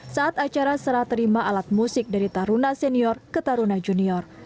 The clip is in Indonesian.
saat acara serah terima alat musik dari tarunan senior